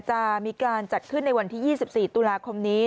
จะมีการจัดขึ้นในวันที่๒๔ตุลาคมนี้